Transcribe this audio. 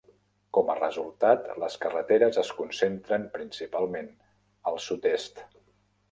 Com a resultat, les carreteres es concentren principalment al sud-est.